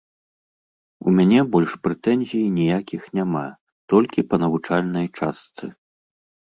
У мяне больш прэтэнзій ніякіх няма, толькі па навучальнай частцы.